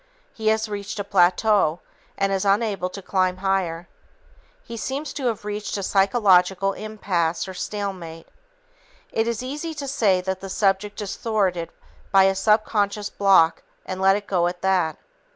He has reached a plateau and is unable to climb higher. He seems to have reached a psychological impasse or stalemate. It is easy to say that the subject is thwarted by a subconscious block and let it go at that.